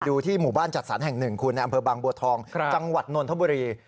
ที่หมู่บ้านจัดสรรแห่งหนึ่งคุณในอำเภอบางบัวทองจังหวัดนนทบุรี